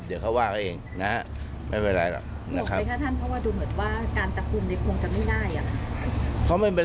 ห่วงไปค่ะท่านเพราะว่าดูเหมือนว่าการจัดกรุงเนี่ยคงจะไม่ง่ายอ่ะ